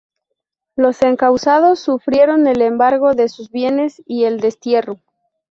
Los encausados sufrieron el embargo de sus bienes y el destierro.